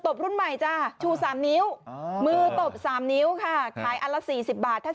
รุ่นใหม่จ้ะชู๓นิ้วมือตบ๓นิ้วค่ะขายอันละ๔๐บาทถ้า